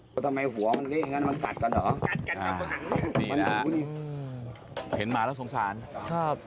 ก็ทำไมหัวมันเละอย่างงั้นมันกัดกันเหรออ่านี่น่ะเห็นหมาแล้วสงสารครับ